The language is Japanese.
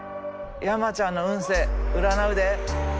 山ちゃんの運勢占うで。